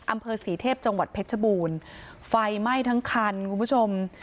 อำเภอศรีเทพจังหวัดเพชรบูรณ์ไฟไหม้ทั้งคันคุณผู้ชม